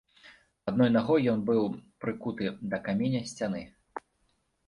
Адной нагой ён быў прыкуты да каменя сцяны.